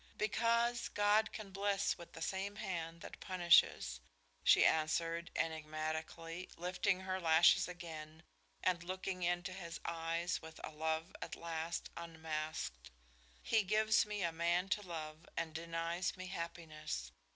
"Because God can bless with the same hand that punishes," she answered, enigmatically, lifting her lashes again and looking into his eyes with a love at last unmasked. "He gives me a man to love and denies me happiness.